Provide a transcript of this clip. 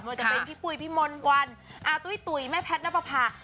จะเป็นพี่ปุ๋ยพี่มนต์วันอาตุ้ยตุ๋ยแม่แพทย์นับประพา